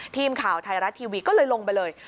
ทีมข่าวไทยรัฐทีวีก็เลยลงไปเลย